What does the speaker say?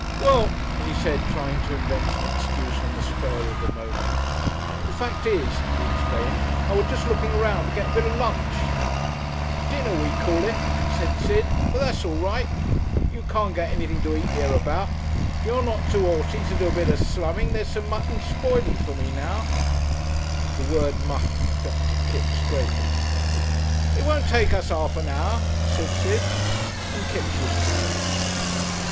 "Well," he said, trying to invent an excuse on the spur of the moment. "Fact is," he explained, "I was jest looking 'round to get a bit of lunch." "Dinner, we call it," said Sid. "But that's all right. You can't get anything to eat hereabout. If you're not too haughty to do a bit of slumming, there's some mutton spoiling for me now " The word "mutton" affected Kipps greatly. "It won't take us 'arf an hour," said Sid, and Kipps was carried.